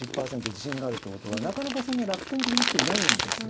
自信があるっていうことはなかなかそんな楽天的な人いないんですよ。